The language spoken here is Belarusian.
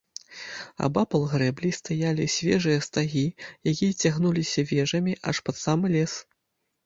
Абапал грэблі стаялі свежыя стагі, якія цягнуліся вежамі аж пад самы лес.